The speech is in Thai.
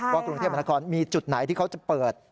กรุงเทพมหานครมีจุดไหนที่เขาจะเปิด